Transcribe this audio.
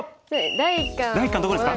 第一感どこですか？